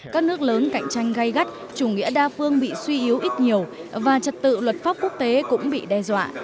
các nước lớn cạnh tranh gây gắt chủ nghĩa đa phương bị suy yếu ít nhiều và trật tự luật pháp quốc tế cũng bị đe dọa